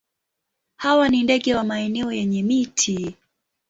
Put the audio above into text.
Hawa ni ndege wa maeneo yenye miti.